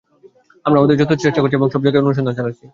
আমরা আমাদের যথাসাধ্য চেষ্টা করছি এবং সবজায়গায়ই অনুসন্ধান চালাচ্ছি।